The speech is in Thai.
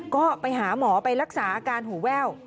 ก็ไปหาหมอไปรักษาอาการหูแว่ว